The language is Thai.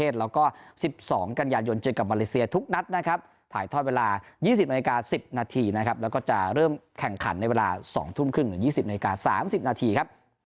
สวัสดีครับ